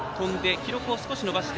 記録を少し伸ばしました。